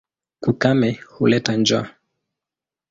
Ukame huleta njaa.